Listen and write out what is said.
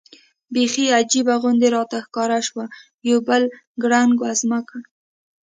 بېخي عجیبه غوندې راته ښکاره شول، یو بل ګړنګ وزمه سړک.